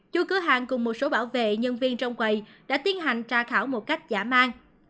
chú cửa hàng cùng một số bảo vệ nhân viên trong quầy đã tiến hành tra khảo một cách giả mang